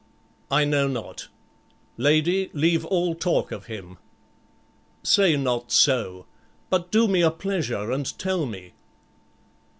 "I know not. Lady, leave all talk of him." "Say not so; but do me a pleasure and tell me."